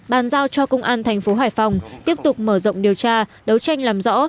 bàn giao cho công an tp hải phòng tiếp tục mở rộng điều tra đấu tranh làm rõ